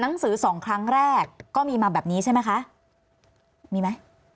นักสือ๒ครั้งแรกก็มีมาแบบนี้ใช่ไหมค่ะมีมั้ย